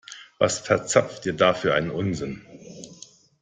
Was verzapft ihr da für einen Unsinn?